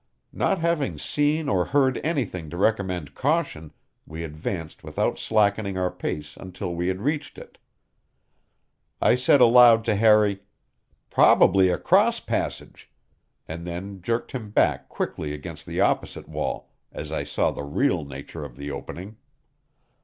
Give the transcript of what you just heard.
Not having seen or heard anything to recommend caution, we advanced without slackening our pace until we had reached it. I said aloud to Harry, "Probably a cross passage," and then jerked him back quickly against the opposite wall as I saw the real nature of the opening.